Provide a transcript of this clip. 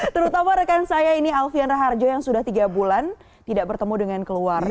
terutama rekan saya ini alfian raharjo yang sudah tiga bulan tidak bertemu dengan keluarga